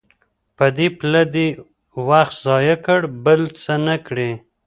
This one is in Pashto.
په دې پله دي وخت ضایع کړ بل څه نه کړې